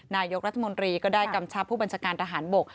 นายกรัฐมนตรีก็ได้กำชับผู้บัญชาการทหารบก